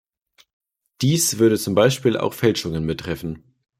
Dies würde zum Beispiel auch Fälschungen betreffen.